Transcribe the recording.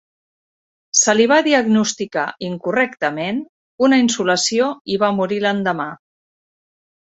Se li va diagnosticar, incorrectament, una insolació i va morir l'endemà.